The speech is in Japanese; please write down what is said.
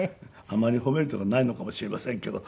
あんまり褒めるとこがないのかもしれませんけど。